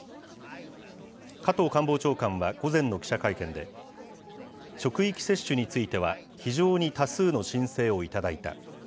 加藤官房長官は午前の記者会見で、職域接種については、非常に多数の申請を頂いた。